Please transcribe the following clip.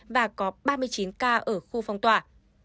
và có ba mươi chín ca ở khu phong tỏa